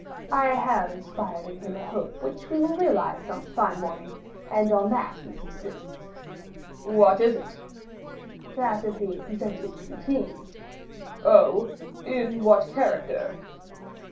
"I have inspired in him a hope which we will realize some fine morning, and on that he subsists." "What is it?" "That of being presented to the king." "Oh! in what character?"